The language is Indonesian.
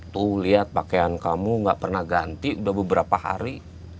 tuh lihat pakaian kamu gak pernah ganti udah beberapa hari